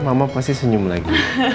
mama pasti senyum lagi